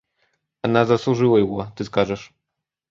Она заслужила его, ты скажешь.